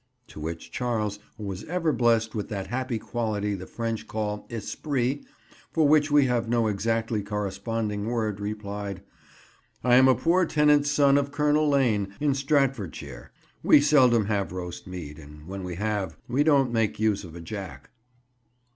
To which Charles, who was ever blessed with that happy quality the French call esprit, for which we have no exactly corresponding word, replied, 'I am a poor tenant's son of Colonel Lane, in Staffordshire; we seldom have roast meat, and when we have, we don't make use of a jack.